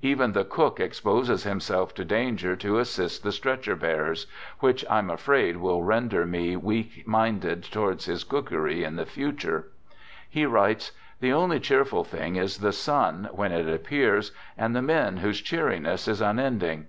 Even the cook exposes himself to danger to assist the stretcher bearers —" which I'm afraid will render me weak minded towards his cook ery in the future." He writes: " The only cheer ful thing is the sun, when it appears, and the men whose cheeriness is unending."